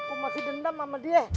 aku masih dendam sama dia